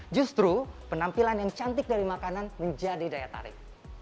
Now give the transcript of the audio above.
justru penampilan yang cantik dari makanan menjadi daya tarik